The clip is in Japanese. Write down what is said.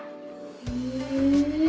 へえ！